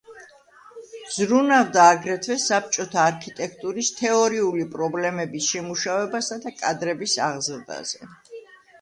ზრუნავდა აგრეთვე საბჭოთა არქიტექტურის თეორიული პრობლემების შემუშავებასა და კადრების აღზრდაზე.